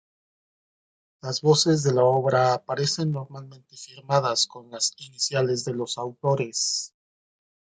Las voces de la obra aparecen normalmente firmadas con las iniciales de los autores.